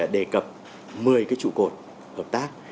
đề cập một mươi trụ cột hợp tác